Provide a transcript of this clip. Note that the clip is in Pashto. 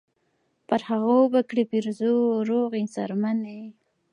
پر هغو به کړي پیرزو روغې څرمنې